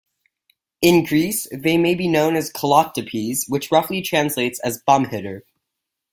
In Greece they may be known as Kolochtypes which roughly translates as 'bum hitter'.